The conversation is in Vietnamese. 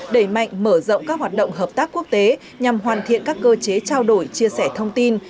đẩy mạnh mở rộng các hoạt động hợp tác quốc tế nhằm hoàn thiện các cơ chế trao đổi chia sẻ thông tin